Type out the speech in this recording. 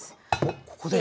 ここで？